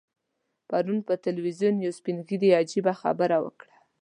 پرون پر ټلویزیون یو سپین ږیري عجیبه خبره وکړه.